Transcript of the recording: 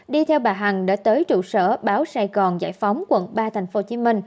đi theo bà hằng đã tới trụ sở báo sài gòn giải phóng quận ba tp hcm